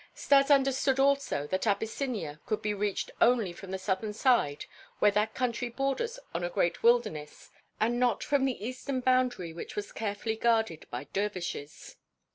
Stas understood also that Abyssinia could be reached only from the southern side where that country borders on a great wilderness and not from the eastern boundary which was carefully guarded by dervishes.